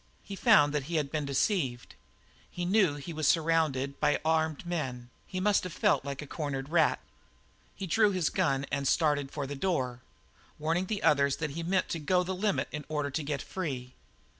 He found that he had been deceived, he knew that he was surrounded by armed men, he must have felt like a cornered rat. He drew his gun and started for the door, warning the others that he meant to go the limit in order to get free.